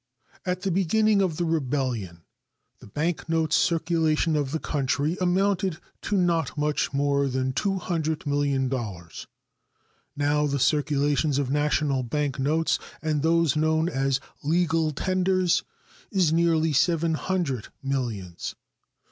At the beginning of the rebellion the bank note circulation of the country amounted to not much more than $200,000,000; now the circulation of national bank notes and those known as "legal tenders" is nearly seven hundred millions.